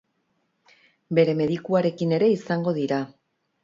Bere medikuarekin ere izango dira.